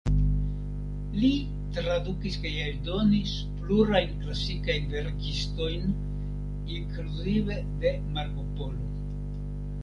Li tradukis kaj eldonis plurajn klasikajn verkistojn, inkluzive de Marko Polo.